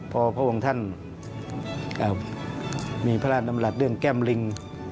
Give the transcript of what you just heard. พอพระองค์ท่านมีพระราชดำรัฐเรื่องแก้มลิง